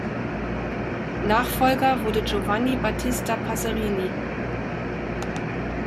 Nachfolger wurde Giovanni Battista Passerini.